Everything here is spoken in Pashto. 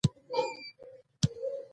په یو بل مثال کې د خلکو غبرګون وینو.